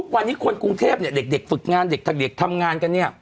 วันนี้คนกรุงเทพเนี่ยเด็กฝึกงานเด็กทำงานกันเนี่ย